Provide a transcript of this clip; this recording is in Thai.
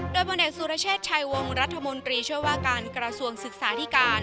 โดยพลเอกสุรเชษฐ์ชัยวงรัฐมนตรีช่วยว่าการกระทรวงศึกษาที่การ